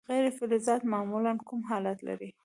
غیر فلزات معمولا کوم حالت لري.